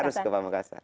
harus ke pamekasan